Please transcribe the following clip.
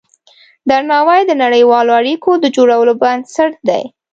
درناوی د نړیوالو اړیکو د جوړولو بنسټ دی.